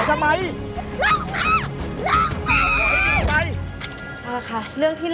ใจเย็นแปลว